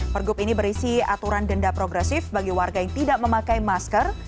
pergub ini berisi aturan denda progresif bagi warga yang tidak memakai masker